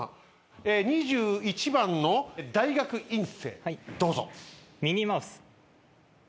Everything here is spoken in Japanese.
え２１番の大学院生どうぞ。